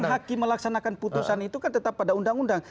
hakim melaksanakan putusan itu kan tetap pada undang undang